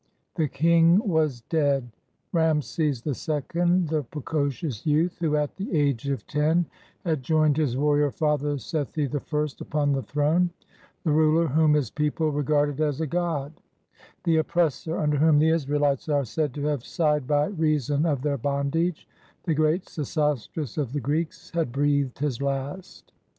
The king was dead ! Rameses II, the precocious youth who at the age of ten had joined his warrior father Sethi I upon the throne; the ruler whom his people re garded as a god ; the oppressor under whom the Israelites are said to have " sighed by reason of their bondage "; the great Sesostris of the Greeks, — had breathed his last.